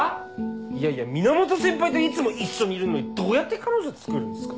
いやいや源先輩といつも一緒にいるのにどうやって彼女つくるんすか。